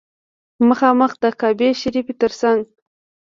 مخامخ د کعبې شریفې تر څنګ.